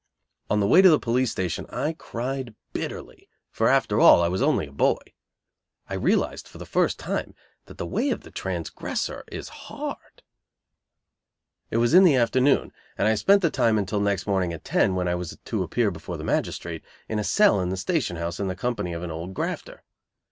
On the way to the police station I cried bitterly, for, after all, I was only a boy. I realized for the first time that the way of the transgressor is hard. It was in the afternoon, and I spent the time until next morning at ten, when I was to appear before the magistrate, in a cell in the station house, in the company of an old grafter.